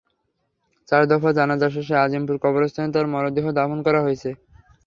চার দফা জানাজা শেষে আজিমপুর কবরস্থানে তাঁর মরদেহ দাফন করা হয়েছে।